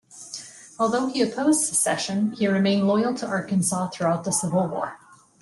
Although he opposed secession, he remained loyal to Arkansas throughout the Civil War.